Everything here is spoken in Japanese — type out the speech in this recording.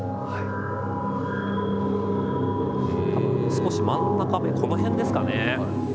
少し真ん中めこの辺ですかね。